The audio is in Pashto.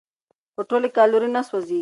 خو ټولې کالورۍ نه سوځېږي.